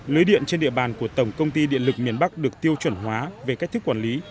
lưới điện trên địa bàn của tổng công ty điện lực miền bắc được tiêu chuẩn hóa về cách thức quản lý